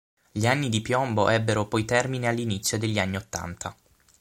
Gli anni di piombo ebbero poi termine all'inizio degli anni ottanta.